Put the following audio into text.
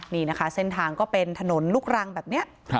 นี่นะคะเส้นทางก็เป็นถนนลูกรังแบบนี้